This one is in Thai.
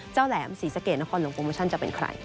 แหลมศรีสะเกดนครหลวงโปรโมชั่นจะเป็นใคร